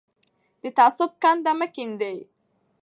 د تعصب کنده مه کیندئ.